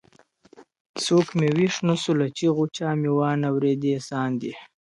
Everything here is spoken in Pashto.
څوک مي ویښ نه سو له چېغو، چا مي وا نه ورېدې ساندي.